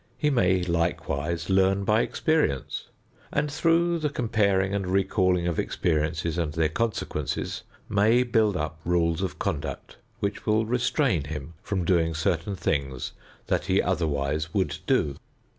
He may likewise learn by experience, and through the comparing and recalling of experiences and their consequences may build up rules of conduct which will restrain him from doing certain things that he otherwise would do.